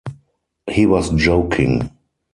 He was joking.